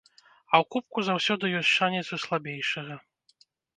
А ў кубку заўсёды ёсць шанец у слабейшага.